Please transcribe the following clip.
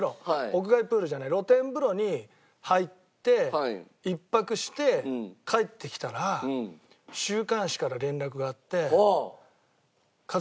屋外プールじゃない露天風呂に入って１泊して帰ってきたら。ってかかってきたわけ。